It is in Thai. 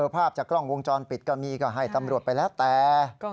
ภาพจากกล้องวงจรปิดก็มีก็ให้ตำรวจไปแล้วแต่